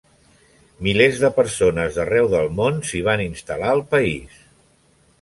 Milers de persones d'arreu del món s'hi van instal·lar al país.